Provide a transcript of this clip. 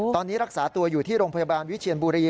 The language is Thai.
ตอนนี้รักษาตัวอยู่ที่โรงพยาบาลวิเชียนบุรี